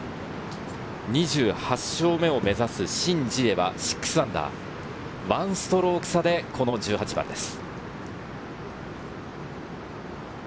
２８勝目を目指すシン・ジエは−６、１ストローク差で１８番です。